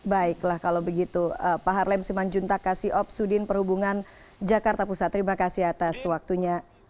baiklah kalau begitu pak harlem simanjuntak kasih opsudin perhubungan jakarta pusat terima kasih atas waktunya